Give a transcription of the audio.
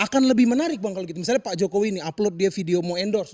akan lebih menarik bang kalau gitu misalnya pak jokowi ini upload dia video mau endorse